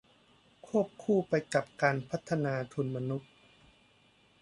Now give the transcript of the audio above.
ควบคู่ไปกับการพัฒนาทุนมนุษย์